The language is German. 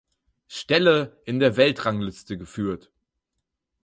Stelle in der Weltrangliste geführt.